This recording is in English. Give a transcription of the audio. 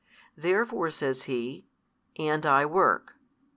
Therefore says He, And I work.